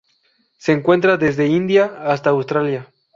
Se encuentra desde India hasta Australia.